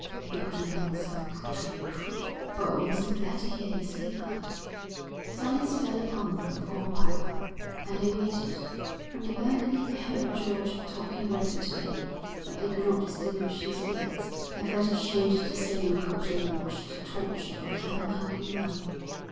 He couldn't have been so brutally cruel.' 'Oh, I'm so glad to hear you say that' Silence fell upon them for a while, and they waited. From the balcony they heard George talking rapidly, but they could not distinguish his words. 'I felt ashamed to stay in court and watch the torture of that unhappy man.